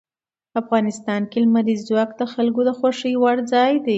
افغانستان کې لمریز ځواک د خلکو د خوښې وړ ځای دی.